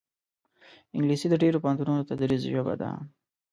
انګلیسي د ډېرو پوهنتونونو تدریسي ژبه ده